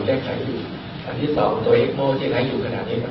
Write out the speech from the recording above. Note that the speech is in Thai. จากนี้ให้ยาอยู่แล้วก็กำลังเร่งกำเนินการ